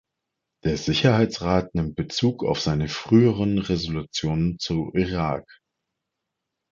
Der Sicherheitsrat nimmt Bezug auf seine früheren Resolutionen zu Irak.